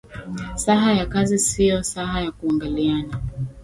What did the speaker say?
Saha ya kazi sio saha ya kuangaliana